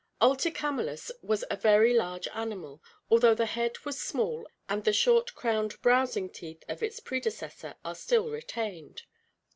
AUicamelus was a very large animal, although the head was small and the short crowned brows ing teeth of its predecessor are still retained.